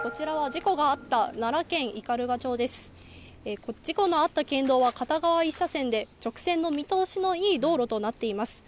事故のあった県道は片側１車線で、直線の見通しのいい道路となっています。